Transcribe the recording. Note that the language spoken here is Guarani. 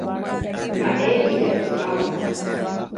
Mba'e ijapu'áva.